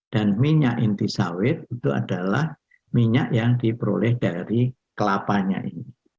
dan minyak inti sawit itu adalah minyak yang diperoleh dari kelapanya ini